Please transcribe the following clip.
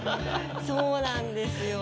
そうなんですよ。